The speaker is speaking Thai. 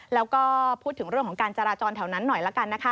แล้วก็พูดถึงเรื่องของการจราจรแถวนั้นหน่อยละกันนะคะ